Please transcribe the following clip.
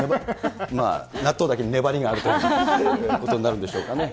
納豆だけに粘りがあるということになるんでしょうかね。